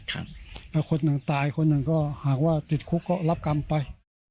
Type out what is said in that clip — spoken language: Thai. ถ้าคนหนึ่งตายคนหนึ่งก็หากว่าติดคุกก็รับกรรมไป